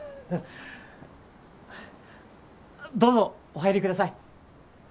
どうぞお入りください。